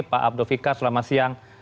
pak abdul fikar selamat siang